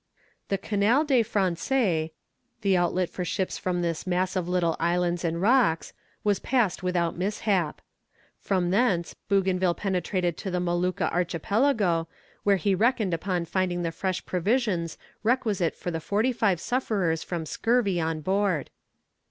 The "Canal des Français," the outlet for ships from this mass of little islands and rocks, was passed without mishap. From thence Bougainville penetrated to the Molucca Archipelago, where he reckoned upon finding the fresh provisions requisite for the forty five sufferers from scurvy on board.